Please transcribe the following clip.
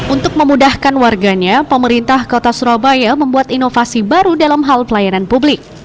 untuk memudahkan warganya pemerintah kota surabaya membuat inovasi baru dalam hal pelayanan publik